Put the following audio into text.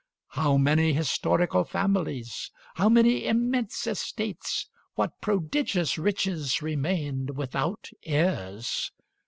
How many historical families, how many immense estates, what prodigious riches remained without heirs!